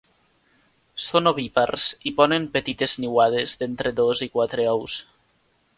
Són ovípars i ponen petites niuades d'entre dos i quatre ous.